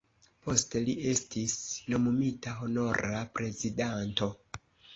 Poste li estis nomumita Honora Prezidanto.